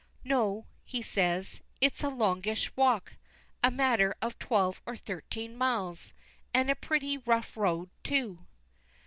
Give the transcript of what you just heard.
"No," he says, "it is a longish walk, a matter of twelve or thirteen miles, and a pretty rough road too."